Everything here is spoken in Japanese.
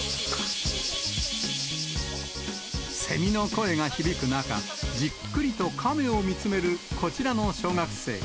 セミの声が響く中、じっくりとカメを見つめるこちらの小学生。